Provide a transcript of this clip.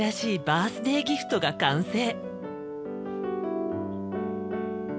バースデーギフトが完成。